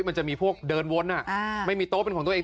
มันจะมีพวกเดินวนไม่มีโต๊ะเป็นของตัวเอง